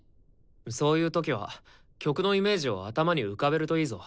そういう時は曲のイメージを頭に浮かべるといいぞ。